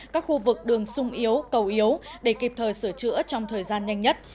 các khu vực đường sung yếu cầu yếu để kịp thời sửa chữa trong thời gian nhanh nhất